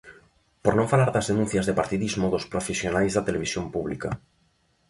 Por non falar das denuncias de partidismo dos profesionais da televisión pública.